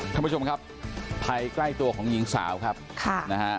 ท่านผู้ชมครับภัยใกล้ตัวของหญิงสาวครับค่ะนะฮะ